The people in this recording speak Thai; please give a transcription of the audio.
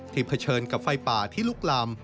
เผชิญกับไฟป่าที่ลุกลาม